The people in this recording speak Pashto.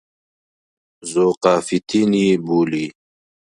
ذوقافیتین یې بولي.